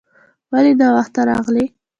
ولې ناوخته راغلې ؟